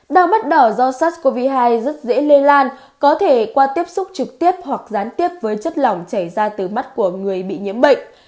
đau mắt đỏ do sars cov hai rất dễ lây lan có thể qua tiếp xúc trực tiếp hoặc gián tiếp với chất lỏng chảy ra từ mắt của người bị nhiễm bệnh